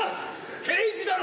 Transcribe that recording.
刑事だろ！